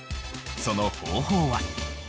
その方法は。